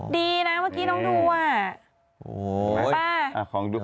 ดีนะเมื่อกี้น้องดูอ่ะ